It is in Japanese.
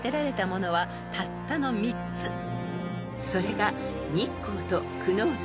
［それが日光と久能山］